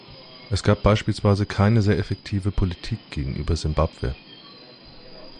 Es gab beispielsweise keine sehr effektive Politik gegenüber Simbabwe.